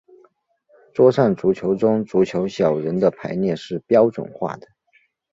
桌上足球中足球小人的排列是标准化的。